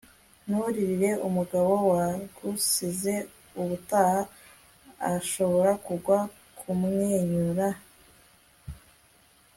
nturirire umugabo wagusize; ubutaha arashobora kugwa kumwenyura. - mae west